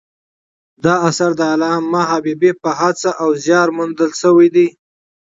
دا اثر د علامه حبیبي په هڅه او زیار مونده سوی دﺉ.